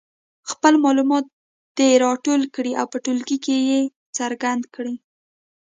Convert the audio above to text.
خپل معلومات دې راټول کړي او په ټولګي کې یې څرګند کړي.